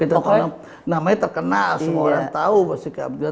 namanya terkenal semua orang tau basuki abdullah